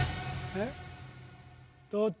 えっ？